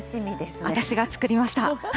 私が作りました。